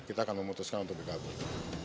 kita akan memutuskan untuk bergabung